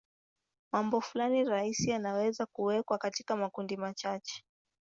Maumbo fulani rahisi yanaweza kuwekwa katika makundi machache.